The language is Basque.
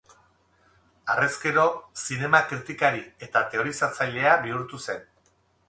Harrezkero zinema-kritikari eta teorizatzailea bihurtu zen.